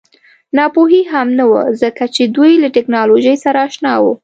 ناپوهي هم نه وه ځکه چې دوی له ټکنالوژۍ سره اشنا وو